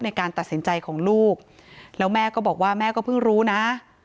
นี่ค่ะเราก็ตามไปดูว่าชีวิตความเป็นอยู่เป็นยังไง